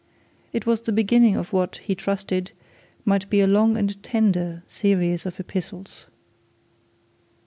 It was the beginning of what, he trusted, might be a long and tender series of epistles.